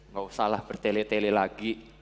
nggak usah lah bertele tele lagi